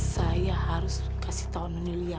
saya harus kasih tahu nelia